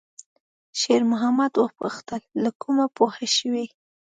شېرمحمد وپوښتل: «له کومه پوه شوې؟»